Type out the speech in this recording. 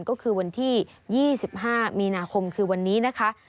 ก็คือวันที่๒๕มีนาคมคือวันนี้นะคะ